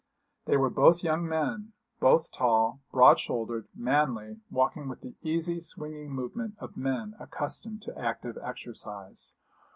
They were both young men, both tall, broad shouldered, manly, walking with the easy swinging movement of men accustomed to active exercise.